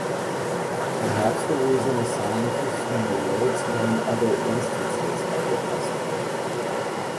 Perhaps the reason assigned for swinging may explain other instances of the custom.